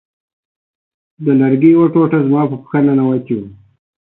د لرګي یوه ټوټه زما په پښه ننوتې وه